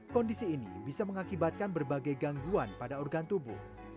kondisi ini bisa mengakibatkan berbagai gangguan pada organ tubuh